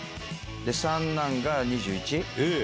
三男が２１。